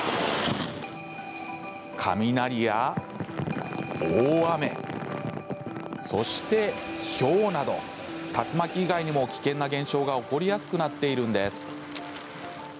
雷や大雨そして、ひょうなど竜巻以外にも危険な現象が起こりやすくなっているんです。